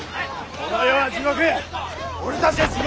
この世は地獄。